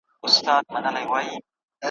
سمدستي یې لاندي ټوپ وو اچولی `